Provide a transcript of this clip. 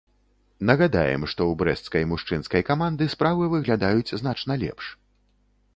Нагадаем, што ў брэсцкай мужчынскай каманды справы выглядаюць значна лепш.